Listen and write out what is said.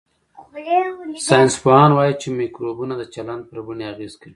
ساینسپوهان وايي چې مایکروبونه د چلند پر بڼې اغېز کوي.